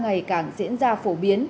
ngày càng diễn ra phổ biến